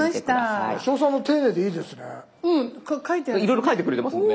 いろいろ書いてくれてますもんね。